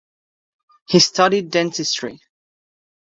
He studied dentistry.